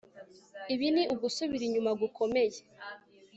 Ibi ni ugusubira inyuma gukomeye